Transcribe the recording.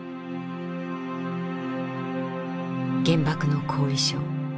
原爆の後遺症。